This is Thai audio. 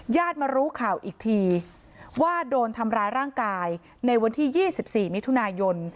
มารู้ข่าวอีกทีว่าโดนทำร้ายร่างกายในวันที่๒๔มิถุนายน